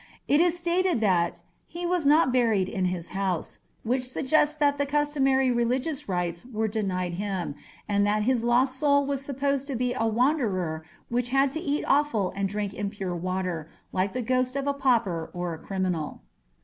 It is stated that "he was not buried in his house", which suggests that the customary religious rites were denied him, and that his lost soul was supposed to be a wanderer which had to eat offal and drink impure water like the ghost of a pauper or a criminal.